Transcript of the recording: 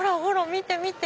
見て見て！